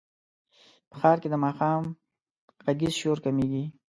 په ښار کې د ماښام غږیز شور کمېږي.